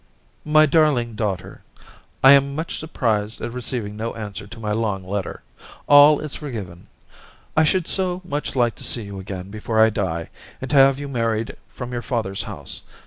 'My darling Daughter^ — I am much surprised at receiving no answer to my long letter. All is forgiven. I should so much like to see you again before I die, and to have you married from your father's house.